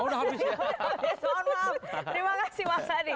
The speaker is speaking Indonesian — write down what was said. mohon maaf terima kasih mas sandi